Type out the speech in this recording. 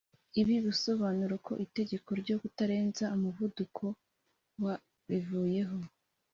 ibi bisobanuye ko itegeko ryo kutarenza umuvuduko wa rivuyeho